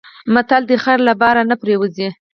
متل دی: خر له بار نه پرېوځي.